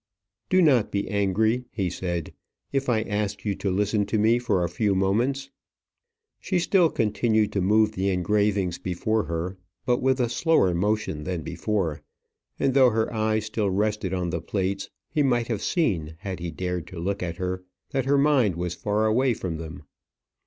"Do not be angry," he said, "if I ask you to listen to me for a few moments." She still continued to move the engravings before her, but with a slower motion than before; and though her eye still rested on the plates, he might have seen, had he dared to look at her, that her mind was far away from them.